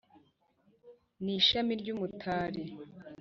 ni ishami ry’umutari